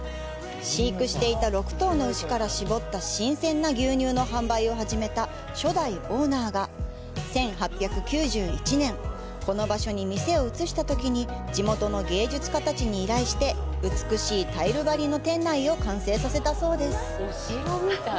飼育していた６頭の牛から搾った新鮮な牛乳の販売を始めた初代オーナーが、１８９１年、この場所に店を移したときに地元の芸術家たちに依頼して美しいタイル張りの店内を完成させたそうです。